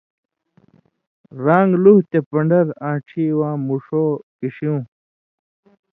ران٘گ لُوہہۡ تے پن٘ڈر، آن٘ڇھی واں مُݜُو کِݜیُوں،